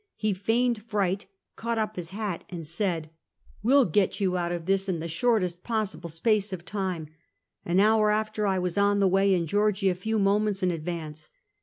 He feigned fright, caught up his hat, and said: 20 306 Half a Centuet. " We '11 get yoii out of this in the shortest possible space of time." An hour after I was on the way, and Georgie a few moments in advance.